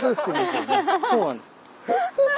そうなんです。